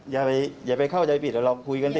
อย่าไปเข้าใจปิดเราคุยกันสิ